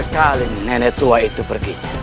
sekali nenek tua itu pergi